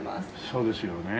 そうですよね